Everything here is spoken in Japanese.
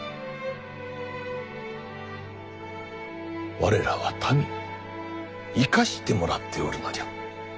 我らは民に生かしてもらっておるのじゃ。